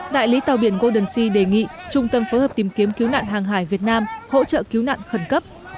đại lý tàu biển golden sea đề nghị trung tâm phối hợp tìm kiếm cứu nạn hàng hải việt nam hỗ trợ cứu nạn khẩn cấp